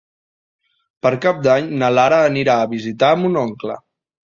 Per Cap d'Any na Lara anirà a visitar mon oncle.